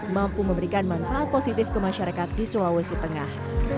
mampu memberikan manfaat positif ke masyarakat di sulawesi tengah